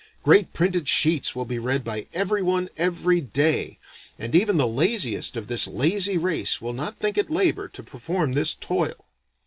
Great printed sheets will be read by every one every day; and even the laziest of this lazy race will not think it labor to perform this toil.